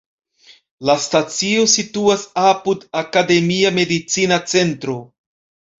La stacio situas apud "Akademia Medicina Centro".